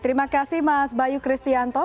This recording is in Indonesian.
terima kasih mas bayu kristianto